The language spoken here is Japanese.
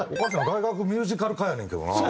大学ミュージカル科やねんけどな。